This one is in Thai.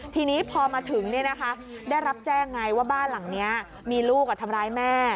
ทีนี้พอมาถึงได้รับแจ้งไงว่าบ้านหลังนี้มีลูกทำร้ายแม่